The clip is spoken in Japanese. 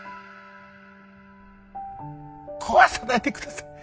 壊さないでください。